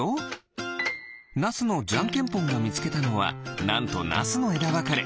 ナスのじゃけんポン！がみつけたのはなんとナスのえだわかれ。